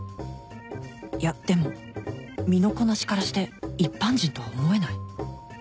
いやでも身のこなしからして一般人とは思えない